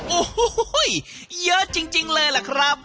โอ้โหเยอะจริงเลยล่ะครับ